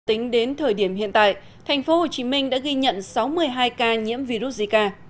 tính đến thời điểm hiện tại thành phố hồ chí minh đã ghi nhận sáu mươi hai ca nhiễm virus zika